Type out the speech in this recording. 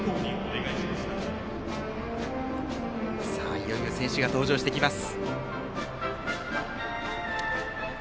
いよいよ選手が登場してきます。